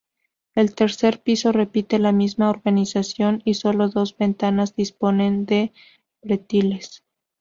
El tercer piso repite la misma organización y sólo dos ventanas disponen de pretiles.